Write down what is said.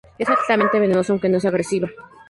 Es altamente venenosa, aunque no es agresiva.